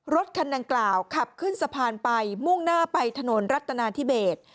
รถคันดังกล่าวขับขึ้นสะพานไปมุ่งหน้าไปถนนรัตนาธิเบส